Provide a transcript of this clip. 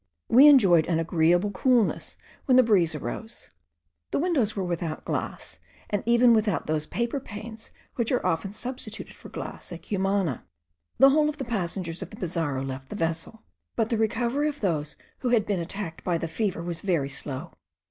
We enjoyed an agreeable coolness when the breeze arose; the windows were without glass, and even without those paper panes which are often substituted for glass at Cumana. The whole of the passengers of the Pizarro left the vessel, but the recovery of those who had been attacked by the fever was very slow.